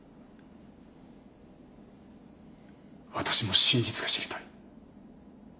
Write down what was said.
私も真実が知りたい。